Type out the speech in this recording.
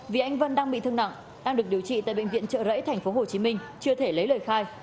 vì anh vân đang bị thương nặng đang được điều trị tại bệnh viện trợ rẫy tp hcm chưa thể lấy lời khai